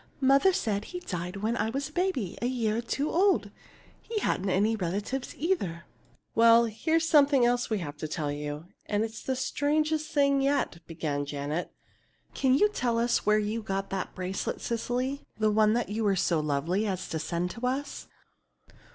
Mother said he died when I was a baby a year or two old. He hadn't any relatives, either." "Well, here's something else we have to tell you, and it's the strangest thing yet," began Janet. "Can you tell us where you got that bracelet, Cecily, the one you were so lovely as to send to us?"